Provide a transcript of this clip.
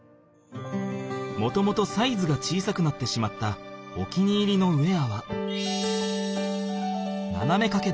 もともとサイズが小さくなってしまったお気に入りのウエアはななめかけ